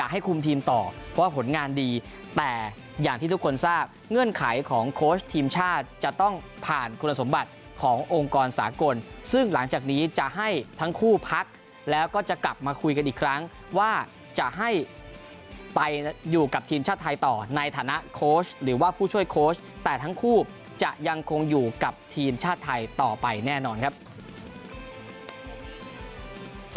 ให้คุมทีมต่อว่าผลงานดีแต่อย่างที่ทุกคนทราบเงื่อนไขของโค้ชทีมชาติจะต้องผ่านคุณสมบัติขององค์กรสากลซึ่งหลังจากนี้จะให้ทั้งคู่พักแล้วก็จะกลับมาคุยกันอีกครั้งว่าจะให้ไปอยู่กับทีมชาติไทยต่อในฐานะโค้ชหรือว่าผู้ช่วยโค้ชแต่ทั้งคู่จะยังคงอยู่กับทีมชาติไทยต่อไปแน่นอนครับ